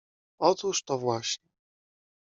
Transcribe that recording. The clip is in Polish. — Otóż to właśnie.